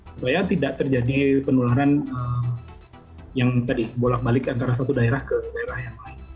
supaya tidak terjadi penularan yang tadi bolak balik antara satu daerah ke daerah yang lain